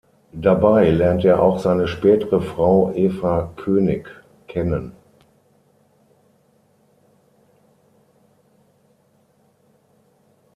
Dabei lernt er auch seine spätere Frau Eva König kennen.